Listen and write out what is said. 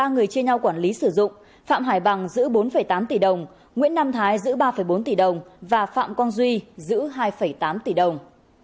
ba người chia nhau quản lý sử dụng phạm hải bằng giữ bốn tám tỷ đồng nguyễn nam thái giữ ba bốn tỷ đồng và phạm quang duy giữ hai tám tỷ đồng